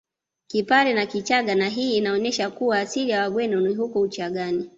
Kipare na Kichaga na hii inaonesha kuwa asili ya Wagweno ni huko Uchagani